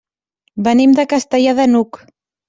Venim de Castellar de n'Hug.